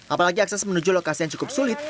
apalagi akses menuju lokasi yang cukup sulit